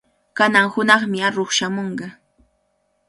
Kanan hunaqmi aruq shamunqa.